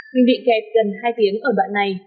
mình bị kẹt gần hai tiếng ở đoạn này